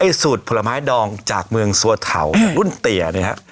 ไอ้สูตรผลไม้ดองจากเมืองสวทาวรุ่นเตี๋ยนะฮะ